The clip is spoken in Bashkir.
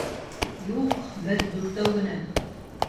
Юҡ, беҙ дүртәү генә.